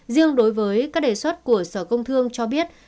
riêng đối với các đề xuất của sở công thương cho biết